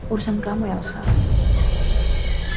urusan kamu yang salah